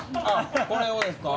これをですか？